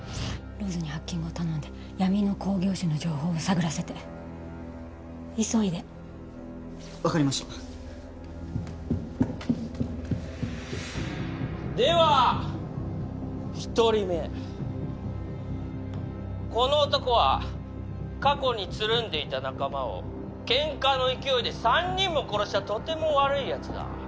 ローズにハッキングを頼んで闇の興行師の情報を探らせて急いで分かりましたでは１人目この男は過去につるんでいた仲間をケンカの勢いで３人も殺したとても悪いやつだ